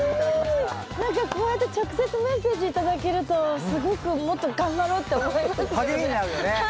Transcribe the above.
何かこうやって直接メッセージ頂けるとすごくもっと頑張ろうって思いますよね。